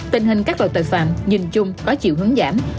tình hình các loại tội phạm nhìn chung có chiều hướng giảm